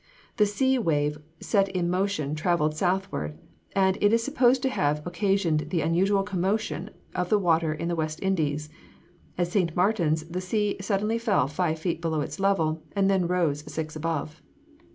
The sea wave set in motion travelled southward, and it is supposed to have occasioned the unusual commotion of the water in the West Indies. At St. Martin's the sea suddenly fell five feet below its level, and then rose six above.